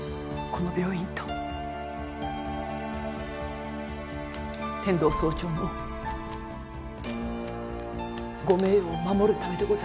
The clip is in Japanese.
この病院と天堂総長のご名誉を守るためでございます。